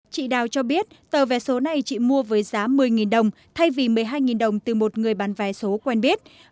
chị đào cho biết tờ vé số này chị mua với giá một mươi đồng thay vì một mươi hai đồng từ một người bán vé số quen biết